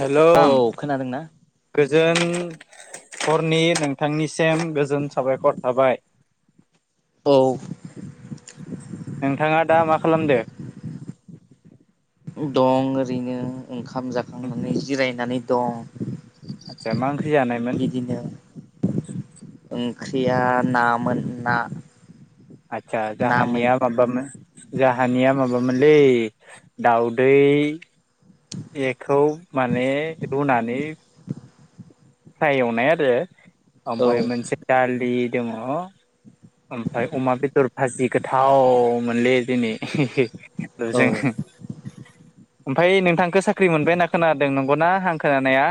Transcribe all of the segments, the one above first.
Hello [unintelligible] आं औ खोनादोंना? गोजोन हरनि नोंथांनिसिम गोजोन साबायखर थाबाय। औ। नोंथाङा दा मा खालामदो? दं ओरैनो ओंखाम जाखांनानै जिरायनानै दं। आटचा मा ओंख्रि जानायमोन? बिदिनो ओंख्रिया नामोन ना। आटचा ना मै जाहानिया माबामोन जाहानिया माबामोनलै दाउदै बेखौ माने रुनानै फ्राय एवनाय आरो औ ओमफ्राय मोनसे दालि दङ ओमफ्राय अमा बेदर भाजि गोथाव मोनलै दिनै। ओ औ जों ओमफाय नोंथांखौ साख्रि मोनबाय होनना खोनादों नंगौना आं खोनानाया?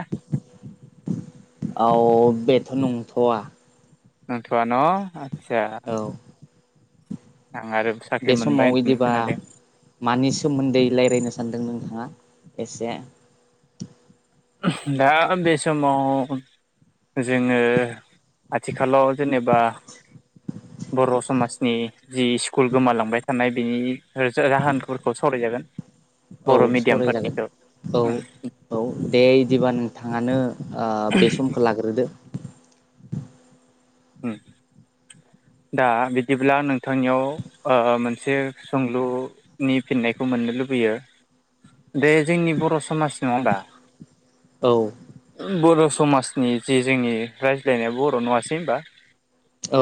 औ बेथ' नंथ'वा। नंथ'वा न आटचा। औ आं आरो बे मोनबाय समाव होननानै बिदिबा खोनादों मानि सोमोन्दै लायरायनो सानदों नों थाङा एसे दा बे समाव जोङो आथिखालाव जेनेबा बर' समाजनि जि स्कुल गोमालांबाय थानाय बेनि जाहोनफोरखौ सावरायजागोन। औ बर' सावरायजागोन। मिडियामफोरनिखौ औ उम औ दे बिदिबा नोंथाङानो ओ बे समखौ लाग्रोदो। हुम। दा बिदिब्ला नोंथांनियाव ओ मोनसे सोंलुनि फिन्नाय खौ मोननो लुबैयो। बे जोंनि बर' समाज नङा होमबा औ। बर' समाजनि जे जोंनि रायज्लायनाया बर' नङासै होनबा।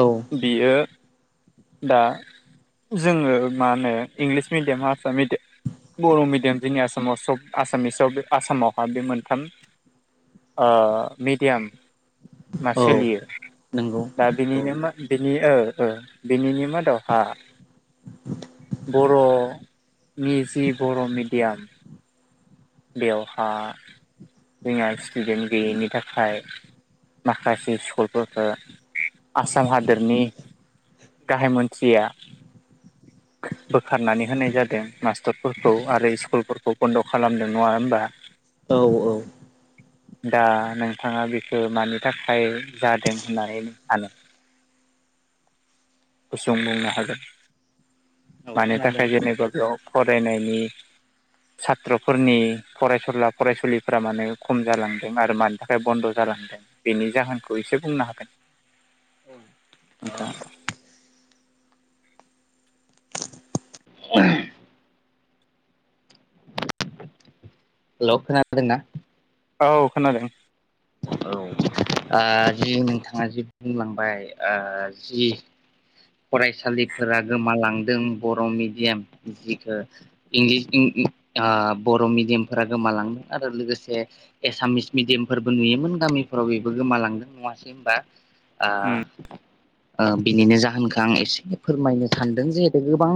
औ बियो दा जोङो मा होनो इंलिस मिदियाम हार्सा मिदियाम बर' मिदियाम जोंनि आसामाव सब आसामिसाव बे आसामावहा बे मोन्थाम ओ मिडियाम मा औ सोलियो। नंगौ दा औ बिनिनो बिनि ओ ओ बिनिनि मादावहा बर' मिउजि बर' मिडियाम बेवहा जोंहा स्टुडेन्ट गैयैनि थाखाय माखासे स्कुलफोरखो आसाम हादोरनि गाहाय मन्थ्रिया बोखारनानै होनाय जादों मास्टरफोरखौ आरो स्कुलफोरखौ बन्द' खालामदों। नङा होमबा। औ औ दा नोंथाङा बेखो मानि थाखाय जादों होननानै सानो? गुसुं बुंनो हागोन। मानि खोनादों थाखाय जेनेबा बेयाव फरायनायनि सत्र फोरनि फरायसुला फरायसुलिफोरा माने खम जालांदों आरो मानि थाखाय बन्द' जालांदों बेनि नि जाहोनखौ एसे बुंनो हागोन। नोंथाङा। हेलौ खोनादोंना। औ-औ खोनादों। ओ जि नोंथाङा जि बुंलांबाय जि फरायसालिफोरा गोमालांदों बर' मिडियाम जिखो इंलिस ओ बर' मिडियामफोरा गोमालांदों आरो लोगोसे एसामिस मिडियामफोरबो नुयोमोन गामिफोराव बेबो गोमालांगोन नङासै होमबा उम ओ-ओ बेनिनो जाहोनखौ आं एसे फोरमायनो सानदों जिहेथु गोबां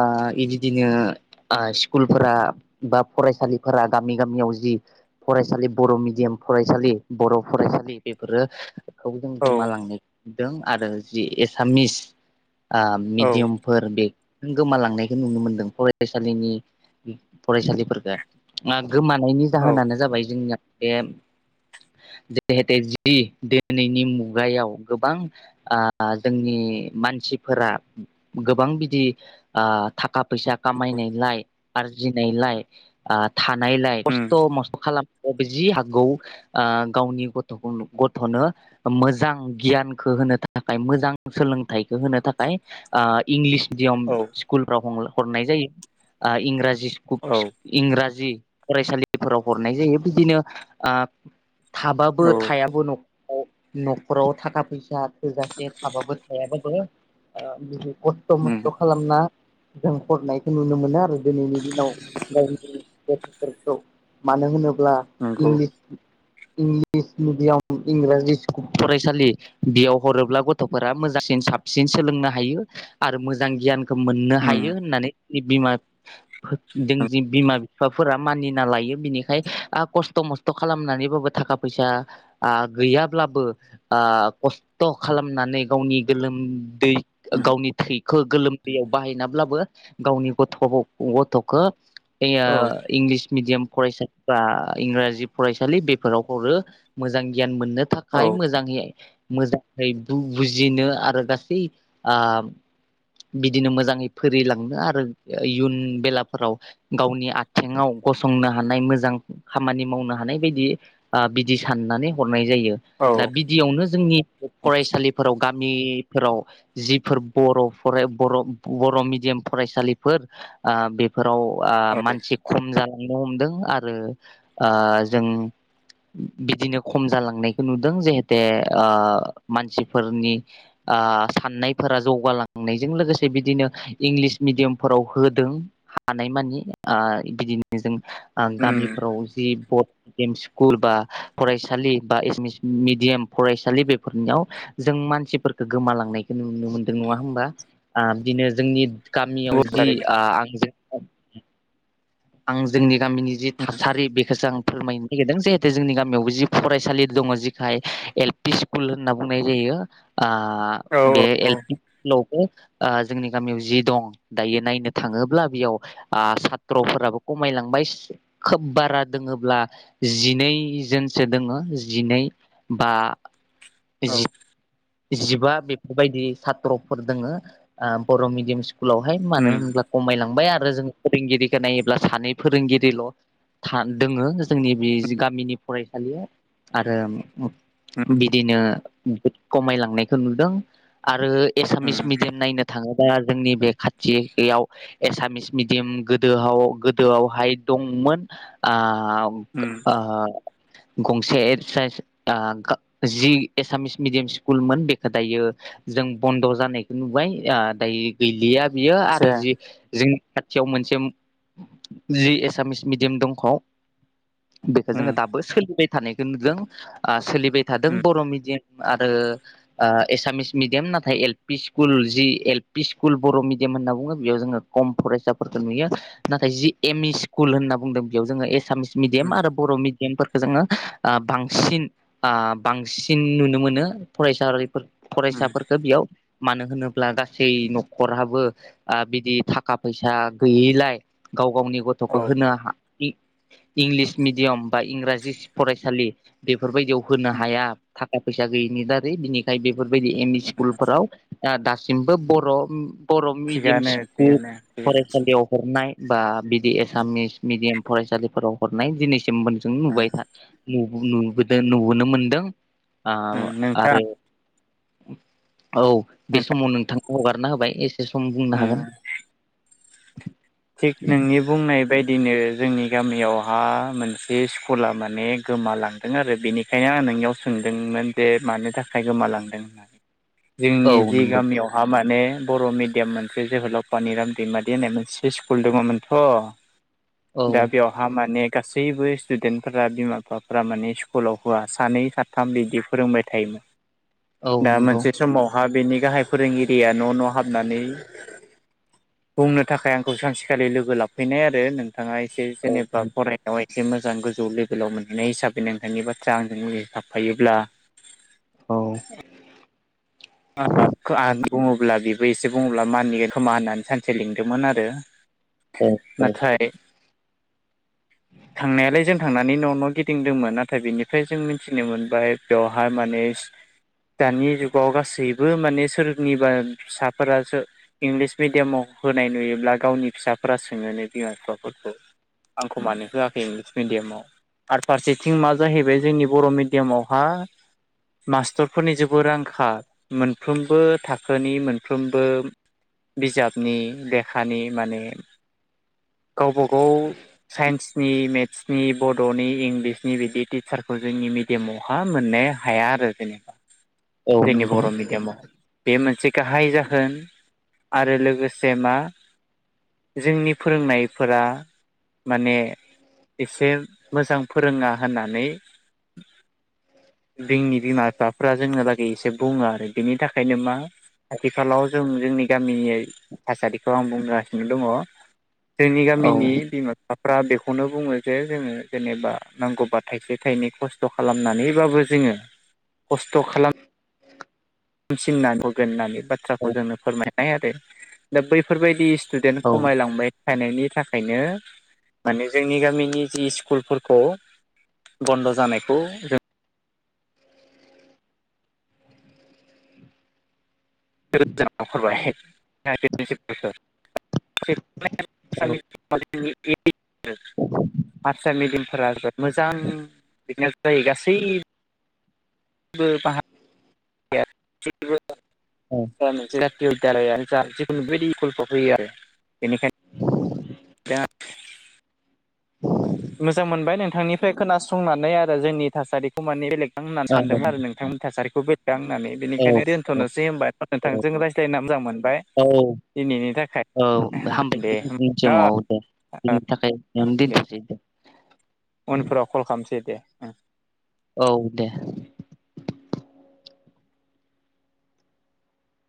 ओ बिबायदिनो स्कुलफोरा बा फरायसालिफोरा गामि गामियाव जि फरायसालि बर' मिडियाम फरायसालि बर' बर' फरायसालि बेफोरो बेखौजों औ गोमालांनायखौ नुदों आरो जि एसामिस आ औ मिडियामफोर बे जों गोमालांनायखौ नुनो मोनदों फरायसालिनि फरायसालिफोरखौ। गोमानायनि औ जाहोनानो जाबाय जोंनिया बे जिहेतु जि दिनैनि मुगायाव गोबां आ जोंनि मानसि मानसिफोरा गोबां बिदि ओ थाखा फैसा खामायनायलाय आरजिनाय आरजिनायलाय थानायलाय उम खस्थ मस्थ खालाम जि हागौ ओ गावनि गथ'खौ गथ'नो मोजां गियानखौ होनो थाखाय मोजां सोलोंथाइ होनो थाखाय ओ इंलिस मिडयाम औ स्कुलफ्राव हरनाय जायो ओ इंराजि औ इंराजि फरायसालिफोराव हरनाय जायो बिदिनो ओ थाबाबो औ थायाबो नखराव न'खराव थाखा फैसा थोजासे थाबाबो थायाबो बो ओ खस्थ मस्थ उम खालामना जों हरनायखौ नुनो मोनो आरो दिनैनि दिनाव गाव बेफोरखौ मानो होनोब्ला नंगौ इंलिस इंलिस मिडियाम इंराजि फरायसालि बेयाव हरोब्ला गथ'फोरा मोजांसिन साब साबसिन सोलोंनो हायो आरो मोजां गियानखौ मोननो उम हायो होननानै बिमा जों जि बिमा बिफाफोरा मानिना लायो बिनिखाय खस्थ मस्थ खालामनानैबाबो थाखा फैसा ओ गैयाब्लाबो खस्थ खालामनानै गावनि गोलोम दै उम गावनि थै खो गोलोमदैयाव बाहायनाब्लाबो गावनि गथ' गथ'खौ औ जोंनियाव इंलिस मिडियाम फरायसाफ्रा इंराजि फरायसालि बेफोराव हरो मोजां गियान मोन औ थाखाय मोजाङै मोजाङै बु बुजिनो आरो गा बै आ बिदिनो मोजाङै फरिलांनो आरो इयुन बेलाफोराव गावनि आथिङाव गसंनो हानाय मोजां खामानि मावनो हानाय बायदि बिदि साननानै हरनाय जायो दा औ बिदियावनो जोंनि फरायसालिफोराव गामि फोराव जिफोर बर' बर' बर' मिडियाम फरायसालिफोर ओ बेफोर आव औ मानसि खम जालांनो हमदों आरो जों बिदिनो खम जालांनायखौ नुदों जाहेते मानसिफोरनि ओ साननायफोरा जौगालांनायजों लोगोसे बिदिनो इंलिस मिडियामफोराव होदों हानाय मानि ओ बिदिनो जों उम गामिफोराव जि भत स्कुल बा फरायसालि बा एसमिस मिडियाम फरायसालि बेफोरनियाव जों मानसिफोरखौ गोमालांनायखौ नुनो मोनदों नङा होमबा? बिदिनो जोंनि गामियाव जि थारैनो आ आंजों आं जोंनि गामिनि जि थासारि बेखोसो आं फोरमायनो नागिरदों जिहेतु जोंनि गामियावबो जि फरायसालि दङ जेखाय एल पि स्कुल होनना बुंनाय जायो। आ औ बे एल औ पि स्कुलाव ओ जोंनि गामियाव जि दं दायो नायनो थाङोब्ला बेयाव आ साथ्र'फो राबो खमायलांबाय खोब बारा दङल्बा जिनैजोनसो दंङो, जि नै बा औ। जि जिबा बेफोरबायदि सात्र'फोर दोङो आ बर' मिडियाम सि स्कुलावहाय मानो उम होनल्बा खमायलांबाय आरो जों फोरोंगिरिखौ नायोब्ला सानै फोरोंगिरिल' था दोङो जोंनि बे गामिनि फरायसालियाव। आरो उम बिदिनो बहुद खमायलांनायखौ नुदों। आरो एसामिस उम मिडियाम नायनो थाङो बा जोंनि बे खाथियाव एसामिस मिडियाम गोदोआव गोदोआवहाय दं मोन उम आ-आ गंसे साइस आ जि एसामिस मिडियाम सि कुलमोन बेखौ दायो जों बन्द' जानायखौ नुबाय दायो गैलिया। बियो आरो आतसा जि जोंनि खाथियाव मोन [unintelligible] जि एसामिस मिडियाम दंख' बेखौ उम जोङो दाबो सोलिबाय थानायखौ नुदों। आ सोलि बाय थादों उम बर' मिडियाम आरो ओ एसामिस मिडियाम नाथाय एल पि स्कुल जि एल पि स्कुल बर' मिडियाम होनना बुङो बेयाव जोङो खम फरायसाफोरखौ नुयो। नाथाय जि एम इ स्कुल होनना बुंदों बेयाव जोङो एसामिस मिडियाम उम आरो बर' मिडियाम फोर खो जोङो ओ बांसिन ओ बांसिन नुनो मोनो फरायसारिफोर उम फरायसाफोरफोरखो बेयाव मानो होनोब्ला गासै न'खहाबो बिदि थाखा फैसा गैयिलाय गाव गावनि गथ'खौ औ होनो हा इंलिस मिेडियाम बा इंराजि फरायसालि बेफोरबायदियाव होनो उम हाया। थाखा फैसा गैयिनि दारै बिनिखाय बेफोरबायदि एम इ स्कुलफोराव दा सिमबो बर' बर' मिडियाम थिगानो स्कुल थिगानो थिगानो फरायसालियाव हरनाय बा बिदि एसामिस मिडियाम फरायसालिफोराव हरनाय दिनैसिमबो जों नुबाय था नु नुबोदों नुबोनो मोनदों आ ओ नोंथां आरो औ बे ओ समाव नोंथानो हगारना होबाय एसे सम बुंनो हागोन। थिग नोंनि बुंनाय बायदिनो जोंनि गामियावहा मोनसे स्कुला माने गोमालांदों आरो बेनिखायनो आं नोंनियाव सोंदोंमोन जे मानो थाखाय गोमालांदों होननानै। औ जोंनि जि नंगौ गामियावहा मा ने बर' मिडियाम मोनसे जोहोलाव पानिराम दैमारि होननाय मोनसे स्कुल दङमोनथ' औ दा बेवहा माने गासैबो स्टुडेन्टफोरा बिमा बिफाफ्रा माने स्कुलाव होआ सानै साथाम बिदि फोरोंबाय थायो औ दा नंगौ मोनसे समावहा बेनि गाहाय फोरोंगिरिया न' न' हाबनानै बुंनो थाखाय आं खौ सानसेखालि लोगो लाफैनाय आरो नोंथाङा एसे औ जेनेबा फरायनायावहाय एसे मोजां गोजौ लेभेलाव मोनहैनाय हिसाबै नोंथांनि बाथ्रा आंजों मि थाफायोब्ला औ। [unintelligible] आं बुङोब्ला बेबो एसे बुङोब्ला मानियो खोमा होननानै सानसे लिंदोंमोन आरो। औ औ नाथाय थांनायालाय जों थांनानै न' न' गिदिंदोंमोन नाथाय बेनिफ्राय जों मिथिनो मोनबाय बेवहाय माने [unintelligible] दानि जुगाव गासैबो गैबो माने सोरनिबा फिसाफोरा इंलिस मिडियामाव होनाय नुयोब्ला गावनि फिसाफोरा सोङोनो बिमा बिफाफोरखौ आंखौ मानो होआखै इंलिस मिडियामाव आरो फारसेथिं मा जाहैबाय जोंनि बर' मिडियामावहा मास्टरफोरनि जेबोरांखा मोनफ्रोमबो थाखोनि मोनफ्रोमबो बिजाबनि लेखानि माने गावबा गाव साइन्सनि मेथ्सनि बड'नि इंलिसनि बिदि टिचारफोर जोंनि मिडियामावहा मोननो हाया आरो जेनेबा औ जोंनि नंगौ बर' मिडियामाव बे मोनसे गाहाय जागोन आरो लोगोसे मा जोंनि फोरोंनायफोरा माने एसे मोजां फोरोङा होननानै जोंनि बिमा बिफाफ्रा जोंहालागै एसे बुङो आरो बिनि थाखायनो मा आथिखालाव जों जोंनि गामिनि थासारिखौ आं बुंगासिनो दङ जोंनि औ गामिनि बिमा बिफा फ्रा बेखौनो बुङो जे जोङो जेनेबा नांगौबा थाइसे थाइनै खस्थ' खालामनानैबाबो जों जोङो खस्थ' खालाम हामसिननानै होगोन होननानै बाथ्राखौ औ जोंनो फोरमायनाय आरो दा बैफोरबायदि स्टुदेन्ट औ खमायलांबाय थायनायनि थाखायनो माने जोंनि गामिनि जि स्कुलफोरखौ बन्द' जानायखौ जों [unintelligible] [unintelligible] हारसा मिडियामफोरा जोबोद मोजां बिने जायो गासै [unintelligible] दालानो जा जिखुनु बदि गल्प होयो आरो बेनिखायनो [unintelligible] मोजां मोनबाय नोंथांनिफ्राय खोनासंनानै आरो जोंनि थासारिखौ माने बेलेग होननानै औ सानदोंमोन आरो नोंथांमोननि थासारिखौ बे गां होननानै औ बेनिखायनो दोन्थ'नोसै होनबा नोंथां जों रायज्लायना मोजां मोनबाय दिनैनि थाखाय औ दे होमबा हामबाय न' थआव दे औ बिनि थाखाय बेयावनो द दे उनफोराव कल खालामसै दे ओ औ दे [inaudible]